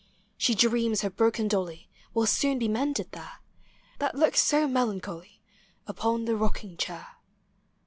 She dreams her broken dolly Will soon be mended there, That looks so melancholy Upon the rocking chair.